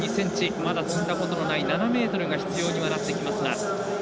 まだ跳んだことのない７ｃｍが必要にはなってきますが。